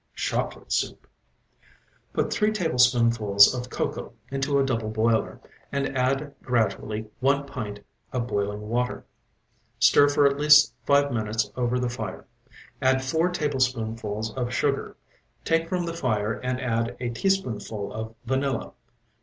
CHOCOLATE SOUP Put three tablespoonfuls of cocoa into a double boiler, and add gradually one pint of boiling water. Stir for at least five minutes over the fire. Add four tablespoonfuls of sugar, take from the fire and add a teaspoonful of vanilla.